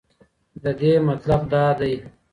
ددې مطلب دا دی.